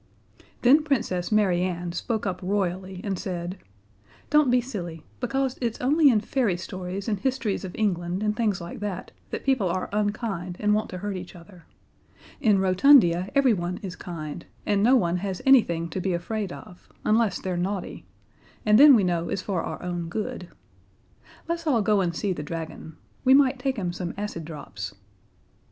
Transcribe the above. Then Princess Mary Ann spoke up royally, and said, "Don't be silly, because it's only in fairy stories and histories of England and things like that, that people are unkind and want to hurt each other. In Rotundia everyone is kind, and no one has anything to be afraid of, unless they're naughty; and then we know it's for our own good. Let's all go and see the dragon. We might take him some acid drops."